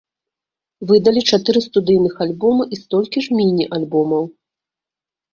Выдалі чатыры студыйных альбомы і столькі ж міні-альбомаў.